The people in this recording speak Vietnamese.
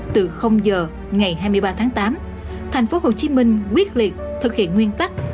từ giờ ngày hai mươi ba tháng tám thành phố hồ chí minh quyết liệt thực hiện nguyên tắc